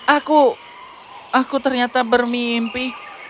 aku aku ternyata bermimpi